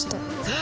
あ！